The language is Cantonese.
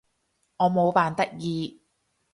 我冇扮得意